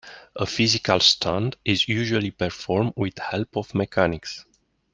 A physical stunt is usually performed with help of mechanics.